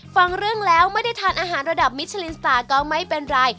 ฟังเรื่องแล้วไม่ได้ทานอาหารระดับมิชลินสตาร์ก็ไม่เป็นไร